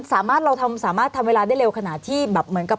เราสามารถทำเวลาได้เร็วขนาดที่แบบเหมือนกับ